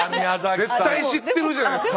絶対知ってるじゃないですか！